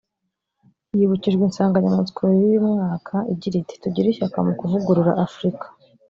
yibukije insanganyamatsiko y’uyu mwaka igira iti “Tugire ishyaka mu kuvugurura Afurika